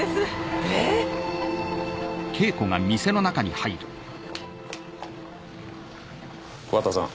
ええっ⁉桑田さん